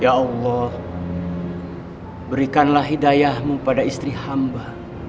ya allah berikanlah hidayahmu pada istri hamba